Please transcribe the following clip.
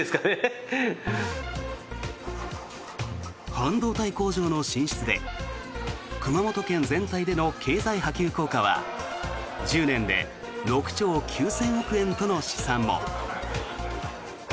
半導体工場の進出で熊本県全体での経済波及効果は１０年で６兆９０００億円との試算も。